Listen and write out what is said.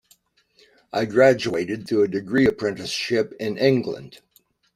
I graduated through a degree apprenticeship in England.